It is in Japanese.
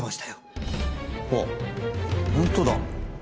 あっ本当だ。